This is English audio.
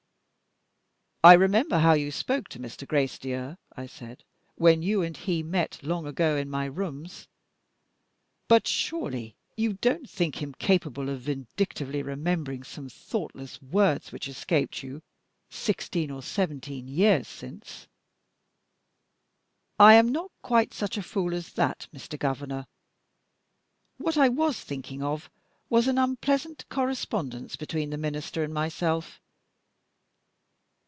"I remember how you spoke to Mr. Gracedieu," I said, "when you and he met, long ago, in my rooms. But surely you don't think him capable of vindictively remembering some thoughtless words, which escaped you sixteen or seventeen years since?" "I am not quite such a fool as that, Mr. Governor. What I was thinking of was an unpleasant correspondence between the Minister and myself.